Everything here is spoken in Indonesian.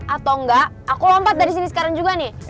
atau enggak aku lompat dari sini sekarang juga nih